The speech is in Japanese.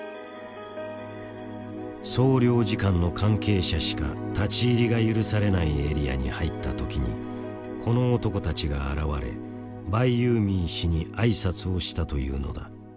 総領事館の関係者しか立ち入りが許されないエリアに入った時にこの男たちが現れバイユーミー氏にあいさつをしたというのだ。